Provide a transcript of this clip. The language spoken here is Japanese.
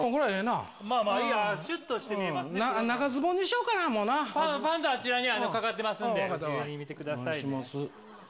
まあまあ、長ズボンにしようかな、パンツあちらにかかってますんで、ご自由に見てください。